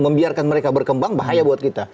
membiarkan mereka berkembang bahaya buat kita